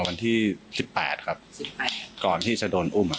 วันที่สิบแปดครับสิบแปดก่อนที่จะโดนอุ้มครับ